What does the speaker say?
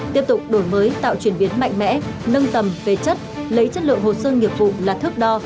tiếp tục đổi mới tạo chuyển biến mạnh mẽ nâng tầm về chất lấy chất lượng hồ sơ nghiệp vụ là thước đo